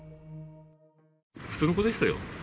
普通の子でしたよ。